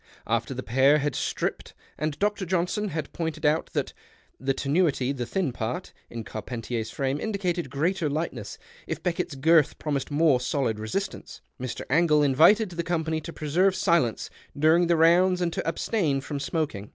After the pair had stripped and Dr. Johnson had {)ointed out that " the tenuity, the thin part " in Carpentier's frame indicated greater lightness, if Beckett's girth promised more solid resistance, Mr. Angle invited the company to preserve silence during the rounds and to abstain from smoking.